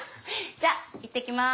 じゃあいってきます。